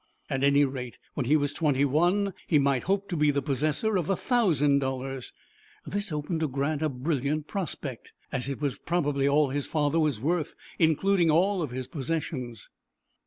At any rate, when he was twenty one he might hope to be the possessor of a thousand dollars. This opened to Grant a brilliant prospect. It was probably all his father was worth, including all his possessions.